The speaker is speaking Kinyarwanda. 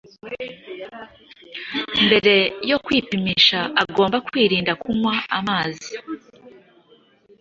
mbere yo kwipima ugomba kwirinda kunywa amazi